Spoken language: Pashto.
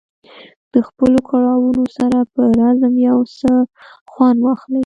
د خپلو کړاوونو سره په رزم یو څه خوند واخلي.